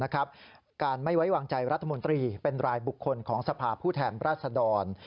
การไม่ไว้วางใจรัฐมนตรีเป็นรายบุคคลของสภาพผู้แทนราชดร